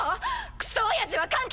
クソおやじは関係ない！